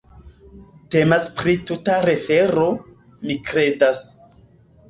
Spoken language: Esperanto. Temas pri tuta refaro, mi kredas.